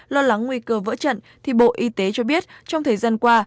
lo lắng nguy cơ vỡ trận thì bộ y tế cho biết trong thời gian qua